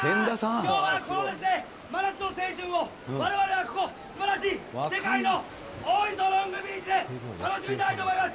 きょうはこの真夏の青春を、われわれはここ、すばらしい世界の大磯ロングビーチで楽しみたいと思います。